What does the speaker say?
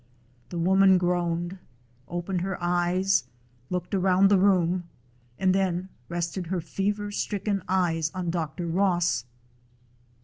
The woman groaned, opened her eyes, looked around the room, and then rested her fever stricken eyes on Dr. Ross.